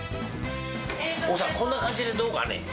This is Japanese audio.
こんな感じでどうかね。